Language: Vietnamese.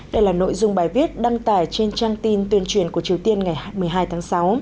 đây là nội dung bài viết đăng tải trên trang tin tuyên truyền của triều tiên ngày một mươi hai tháng sáu